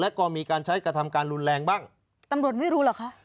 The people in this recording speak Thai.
แล้วก็มีการใช้กระทำการรุนแรงบ้างตำรวจไม่รู้เหรอคะ